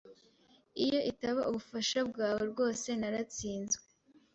Iyo itaba ubufasha bwawe, rwose naratsinzwe.